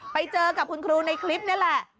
ไปเจอกับคุณครูในคลิปนี่แหละ